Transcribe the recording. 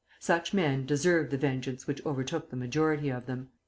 Such men deserved the vengeance which overtook the majority of them."